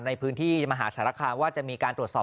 ในพื้นที่มหาสารคามว่าจะมีการตรวจสอบ